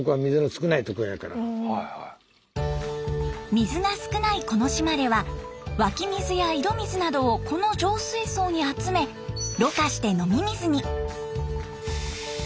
水が少ないこの島では湧き水や井戸水などをこの浄水槽に集めろ過して飲み水に。